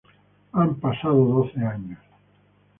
Han pasado doce años.